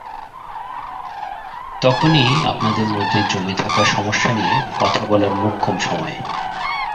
তখনই আপনাদের মধ্যে জমে থাকা সমস্যা নিয়ে কথা বলার মোক্ষম সময়।